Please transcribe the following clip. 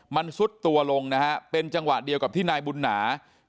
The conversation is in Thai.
มันซุดตัวลงนะฮะเป็นจังหวะเดียวกับที่นายบุญหนา